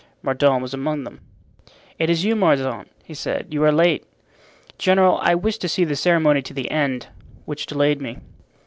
Mordaunt was among these. "It is you, Mordaunt," he said. "You are late." "General, I wished to see the ceremony to the end, which delayed me."